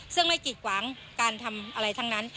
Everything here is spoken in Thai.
ซึ่งไม่กีดขวางการทำอะไรทั้งนั้น